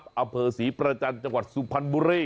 อำเภอศรีประจันทร์จังหวัดสุพรรณบุรี